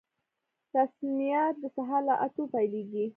رسميات د سهار له اتو پیلیږي